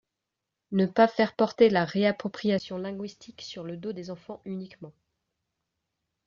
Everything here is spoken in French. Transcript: Ne pas faire porter la réappropriation linguistique sur le dos des enfants uniquement.